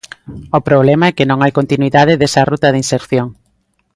O problema é que non hai continuidade desa ruta de inserción.